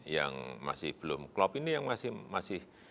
yang masih belum klop ini yang masih